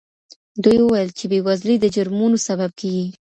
دوی وویل چې بې وزلي د جرمونو سبب کیږي.